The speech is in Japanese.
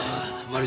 ああ。